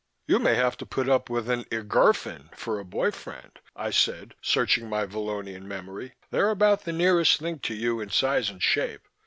You may have to put up with an iggrfn for a boy friend," I said searching my Vallonian memory. "They're about the nearest thing to you in size and shape